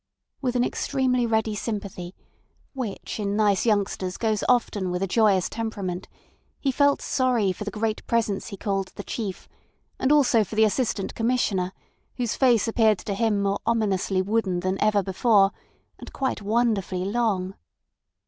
With an extremely ready sympathy, which in nice youngsters goes often with a joyous temperament, he felt sorry for the great Presence he called "The Chief," and also for the Assistant Commissioner, whose face appeared to him more ominously wooden than ever before, and quite wonderfully long.